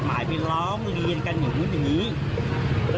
แจ้งแจ้งรู้ไหมครับ